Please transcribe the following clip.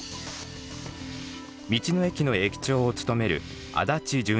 道の駅の駅長を務める安達純一さんです。